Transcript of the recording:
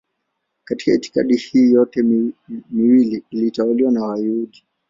Katika itikadi hii yote miwili ilitawaliwa na Wayahudi.